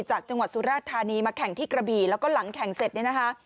จากจังหวัดสุราธานีมาแข่งที่กระบี่แล้วก็หลังแข่งเสร็จเนี่ยนะคะ